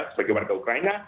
sebagai warga ukraina